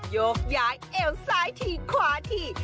โยกย้ายเอวซ้ายทีขวาที